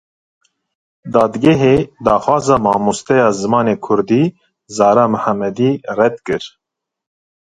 Dadgehê daxwaza mamosteya zimanê kurdî Zara Mihemedî red kir.